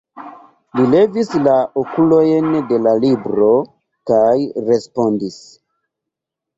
Li levis la okulojn de la libro kaj respondis: